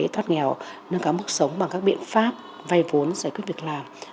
thoát nghèo nâng cao mức sống bằng các biện pháp vay vốn giải quyết việc làm